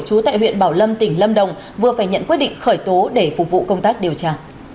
chú tại huyện bảo lâm tỉnh lâm đồng vừa phải nhận quyết định khởi tố để phục vụ công tác điều tra